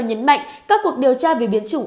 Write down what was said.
nhấn mạnh các cuộc điều tra về biến chủng